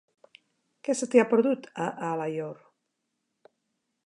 Què se t'hi ha perdut, a Alaior?